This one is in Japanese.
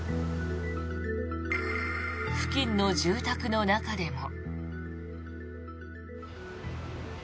付近の住宅の中でも。